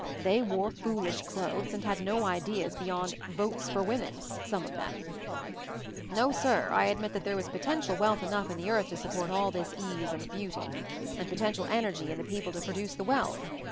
j They wore foolish clothes and had no ideas/ beyond 'Votes for Women' — some of themi . "No sirl I admit that there was potential wealth enough in the earth to support all this ease and beauty; and potential energy in the people to produce the wealth.